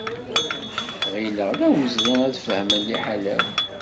Ɣilleɣ d awezɣi ad fehmen liḥala-w.